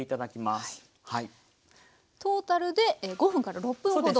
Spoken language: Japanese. トータルで５分から６分ほど。